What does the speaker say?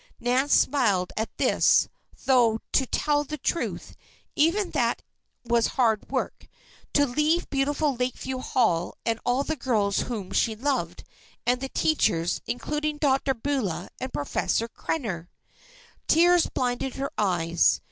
Nan smiled at this; though to tell the truth, even that was hard work. To leave beautiful Lakeview Hall, and all the girls whom she loved, and the teachers, including Dr. Beulah and Professor Krenner! Tears blinded her eyes.